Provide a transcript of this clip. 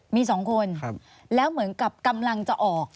มี๒คนแล้วเหมือนกับกำลังจะออก